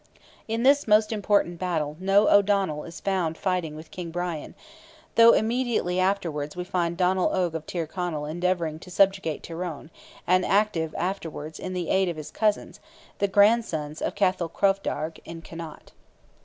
In this most important battle no O'Donnell is found fighting with King Brian, though immediately afterwards we find Donnell Oge of Tyrconnell endeavouring to subjugate Tyrone, and active afterwards in the aid of his cousins, the grandsons of Cathal Crovdearg, in Connaught.